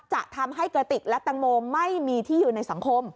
จะทำให้กระติกและตังโมไม่มีที่อยู่ในสังคม